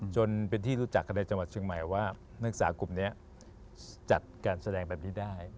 จนเป็นที่รู้จักในจังหวัดเชียงใหม่ว่านักศึกษากลุ่มนี้อยู่ได้